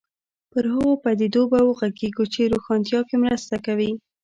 پر هغو پدیدو به وغږېږو چې روښانتیا کې مرسته کوي.